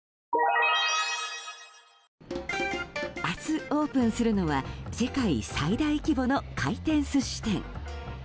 明日、オープンするのは世界最大規模の回転寿司店。